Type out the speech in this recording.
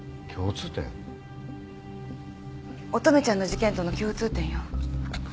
乙女ちゃんの事件との共通点よ。